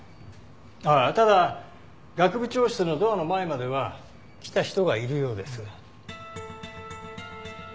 あっただ学部長室のドアの前までは来た人がいるようです。